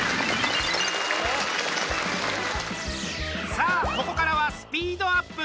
さあ、ここからはスピードアップ。